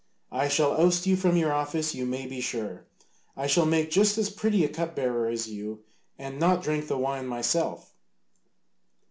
I shall oust you from your office, you may be sure. I shall make just as pretty a cup bearer as you and not drink the wine myself!"